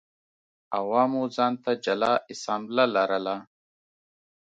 عوامو ځان ته جلا اسامبله لرله.